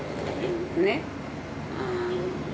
ねっ。